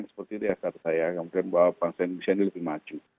seperti itu ya kata saya kemudian bahwa bangsa indonesia ini lebih maju